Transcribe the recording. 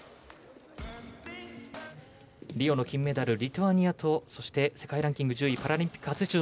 リオの金メダル、リトアニアとそして、世界ランキング１０位パラリンピック初出場